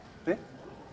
えっ？